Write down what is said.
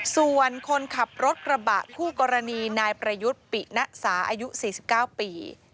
ส่วนคนขับรถกระบะคู่กรณีนายประยุทธ์ปิณสาอายุ๔๙ปี